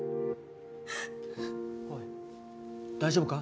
おい大丈夫か？